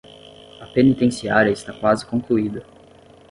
A penitenciária está quase concluída